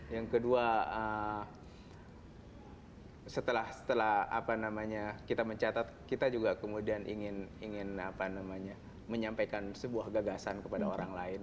yang kedua setelah kita mencatat kita juga kemudian ingin menyampaikan sebuah gagasan kepada orang lain